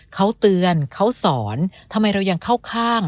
เขาเตือนเขาสอนทำไมเรายังเข้าข้าง